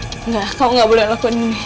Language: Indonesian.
enggak kamu gak boleh lakuin